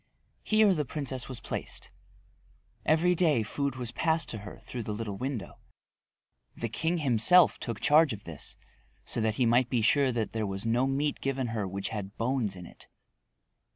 Here the princess was placed. Every day food was passed to her through the little window. The king himself took charge of this, so that he might be sure that there was no meat given her which had bones in it.